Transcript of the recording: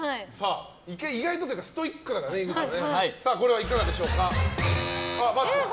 意外とというかストイックだからね、井口さん。